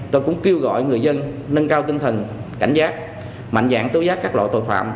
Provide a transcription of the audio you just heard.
tôi cũng kêu gọi người dân nâng cao tinh thần cảnh giác mạnh dạng tố giác các loại tội phạm